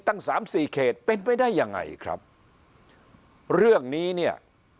ตั้งสามสี่เขตเป็นไปได้ยังไงครับเรื่องนี้เนี่ย